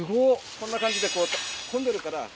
こんな感じでこう混んでるから。